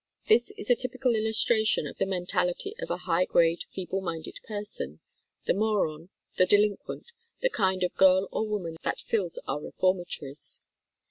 This is a typical illustration of the mentality of a high grade feeble minded person, the moron, the delinquent, the kind of girl or woman that fills our reformatories.